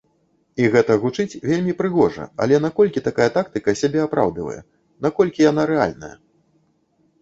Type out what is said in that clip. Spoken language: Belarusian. І гэта гучыць вельмі прыгожа, але наколькі такая тактыка сябе апраўдвае, наколькі яна рэальная?